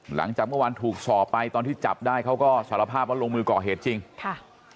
หลังจากเมื่อวานถูกสอบไปตอนที่จับได้เขาก็สารภาพว่าลงมือก่อเหตุจริงค่ะ